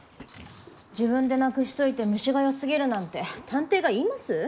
自分でなくしといて虫がよすぎるなんて探偵が言います？